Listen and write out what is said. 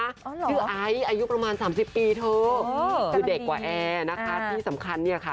อ๋อเหรอคือไอ้อายุประมาณ๓๐ปีเถอะคือเด็กกว่าแอร์นะคะที่สำคัญเนี่ยค่ะ